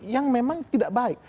yang memang tidak baik